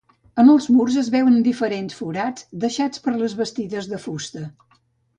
En els murs es veuen diferents forats deixats per les bastides de fusta.